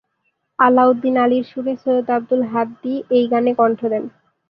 আলাউদ্দিন আলীর সুরে সৈয়দ আব্দুল হাদী এই গানে কন্ঠ দেন।